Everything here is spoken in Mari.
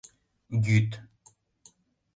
Йӱд